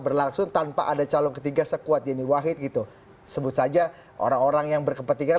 berlangsung tanpa ada calon ketiga sekuat yeni wahid gitu sebut saja orang orang yang berkepentingan